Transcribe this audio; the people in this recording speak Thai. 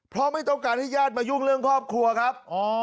เพราะไม่ต้องการให้ญาติมายุ่งเรื่องครอบครัวครับ